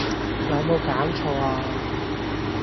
有冇搞錯呀